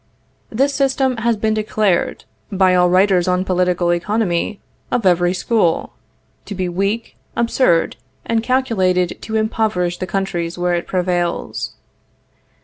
This system has been declared, by all writers on political economy, of every school, to be weak, absurd, and calculated to impoverish the countries where it prevails.